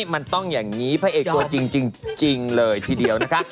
มันต้องอย่างนี้พระเอกตัวจริงเลยทีเดียวนะคะ